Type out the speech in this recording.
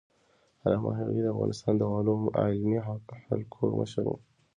علامه حبيبي د افغانستان د علمي حلقو مشر و.